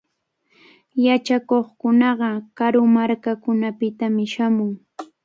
Yachakuqkunaqa karu markakunapitami shamun.